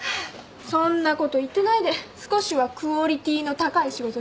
そんなこと言ってないで少しはクオリティーの高い仕事したら？